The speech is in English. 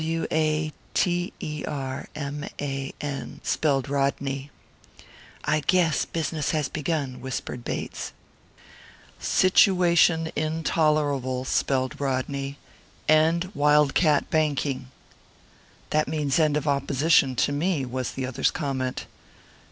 "W a t e r m a n," spelled Rodney. "I guess business has begun," whispered Bates. "Situation intolerable," spelled Rodney. "End wildcat banking." "That means end of opposition to me," was the other's comment.